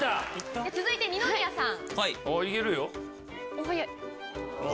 続いて二宮さん。